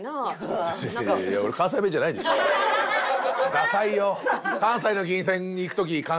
ダサいよ。